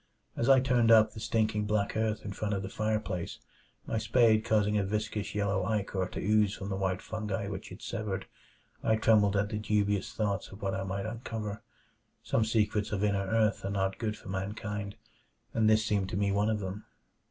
As I turned up the stinking black earth in front of the fireplace, my spade causing a viscous yellow ichor to ooze from the white fungi which it severed, I trembled at the dubious thoughts of what I might uncover. Some secrets of inner earth are not good for mankind, and this seemed to me one of them.